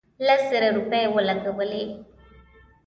لس زره روپۍ ولګولې.